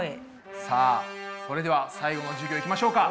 さあそれでは最後の授業いきましょうか。